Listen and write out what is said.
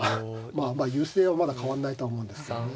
まあ優勢はまだ変わんないとは思うんですけどね。